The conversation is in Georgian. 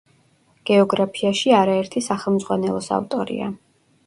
გეოგრაფიაში არაერთი სახელმძღვანელოს ავტორია.